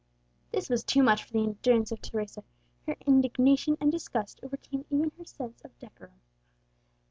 This was too much for the endurance of Teresa; her indignation and disgust overcame even her sense of decorum.